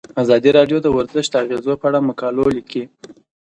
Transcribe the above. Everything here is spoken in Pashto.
ازادي راډیو د ورزش د اغیزو په اړه مقالو لیکلي.